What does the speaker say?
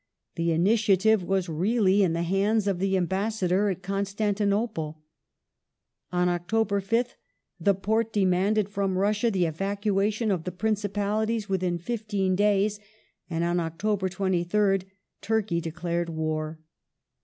The initiative was really in the hands of the Ambassador at Con stantinople. On October 5th the Porte demanded from Russia the evacuation of the Principalities within fifteen days, and on October 23rd Turkey declared war.